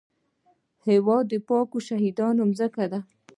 هېواد د پاکو شهیدانو ځمکه ده